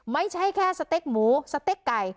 ไม่ใช่แค่สเต็กหมูสเต็กไก่